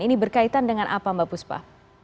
ini berkaitan dengan apa mbak puspa